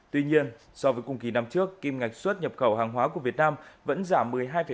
tuy nhiên so với cùng kỳ năm trước kim ngạch xuất nhập khẩu hàng hóa của việt nam vẫn giảm một mươi hai năm